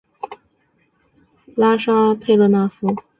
拉沙佩勒纳夫。